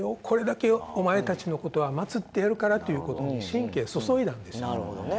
これだけお前たちのことは祭ってやるからということに神経を注いだんですよ。